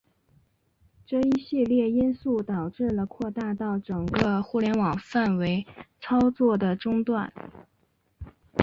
这一系列因素导致了扩大到整个互联网范围操作的中断。